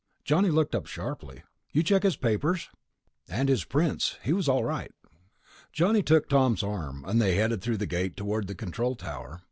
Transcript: Johnny looked up sharply. "You check his papers?" "And his prints. He was all right." Johnny took Tom's arm, and they headed through the gate toward the control tower.